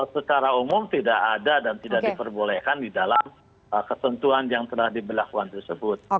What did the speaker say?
secara umum tidak ada dan tidak diperbolehkan di dalam ketentuan yang telah diberlakukan tersebut